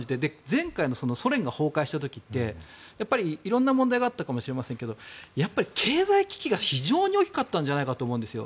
前回のソ連が崩壊した時ってやっぱりいろんな問題があったかもしれませんけどやっぱり経済危機が非常に大きかったんじゃないかと思うんですよ。